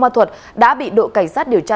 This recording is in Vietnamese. mật thuật đã bị đội cảnh sát điều tra